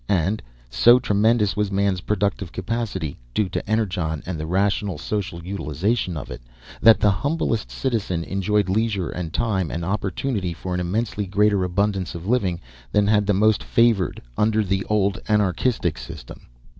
And, so tremendous was man's productive capacity, due to Energon and the rational social utilization of it, that the humblest citizen enjoyed leisure and time and opportunity for an immensely greater abundance of living than had the most favoured under the old anarchistic system.